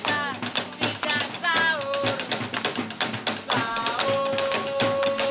sahur sahur sahur